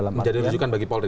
menjadi rujukan bagi polri